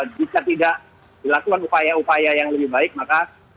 jika tidak dilakukan upaya upaya yang lebih baik maka